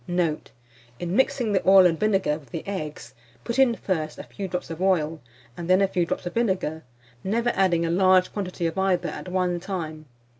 Note. In mixing the oil and vinegar with the eggs, put in first a few drops of oil, and then a few drops of vinegar, never adding a large quantity of either at one time.